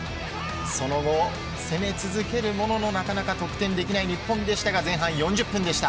その後、攻め続けるもののなかなか得点できない日本でしたが前半４０分でした。